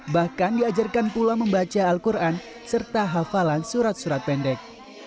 bahkan diajarkan pula membaca al quran serta hafalan surat surat pendek